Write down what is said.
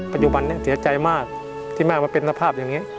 ปัจจุบันนี้เสียใจมากที่แม่มาเป็นสภาพอย่างนี้